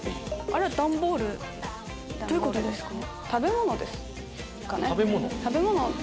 あれは段ボールどういうことですか？